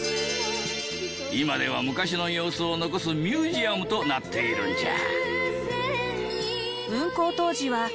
今では昔の様子を残すミュージアムとなっているんじゃ。